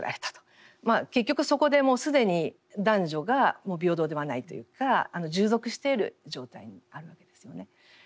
結局そこでもう既に男女が平等ではないというか従属している状態にあるわけですよね。